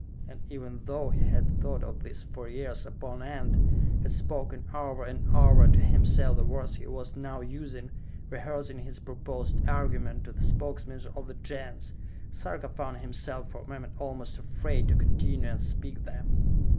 And, even though he had thought of this for years upon end, had spoken over and over to himself the words he was now using, rehearsing his proposed argument to the Spokesmen of the Gens, Sarka found himself for a moment almost afraid to continue and speak them.